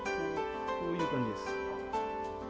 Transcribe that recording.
こういう感じです。